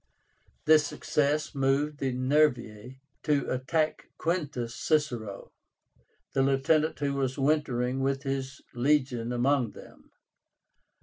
This success moved the Nervii to attack Quintus Cicero, the lieutenant who was wintering with his legion among them.